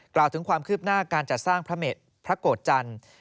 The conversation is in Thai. กล่าวถึงความคืบหน้าการจัดสร้างพระโกรธจันทร์